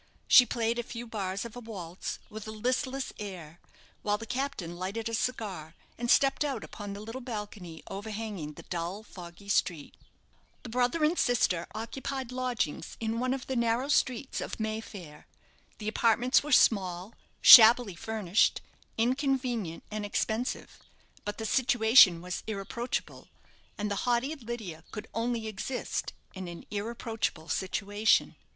She played a few bars of a waltz with a listless air, while the captain lighted a cigar, and stepped out upon the little balcony, overhanging the dull, foggy street. The brother and sister occupied lodgings in one of the narrow streets of Mayfair. The apartments were small, shabbily furnished, inconvenient, and expensive; but the situation was irreproachable, and the haughty Lydia could only exist in an irreproachable situation.